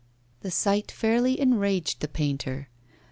The sight fairly enraged the painter.